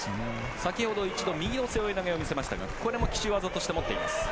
先ほど一度右の背負い投げを見せましたがこれも奇襲技として持っています。